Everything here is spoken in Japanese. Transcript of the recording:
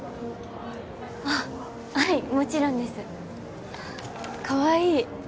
あはいもちろんですかわいい